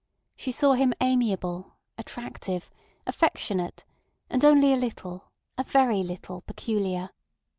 She saw him amiable, attractive, affectionate, and only a little, a very little, peculiar.